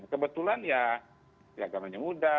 kebetulan ya agamanya muda